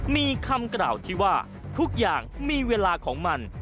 มีคำกล่าวที่ว่าทุกอย่างมีเวลาของมัน